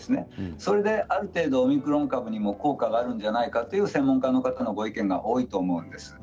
それである程度オミクロン株に効果があるんじゃないかという専門家のご意見が多いと思います。